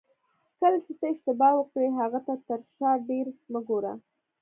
کله چې ته اشتباه وکړې هغې ته تر شا ډېر مه ګوره.